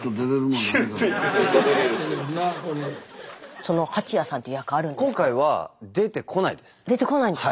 その蜂屋さんって役あるんですか？